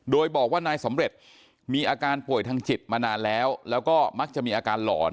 โดยบอกว่านายสำเร็จมีอาการป่วยทางจิตมานานแล้วแล้วก็มักจะมีอาการหลอน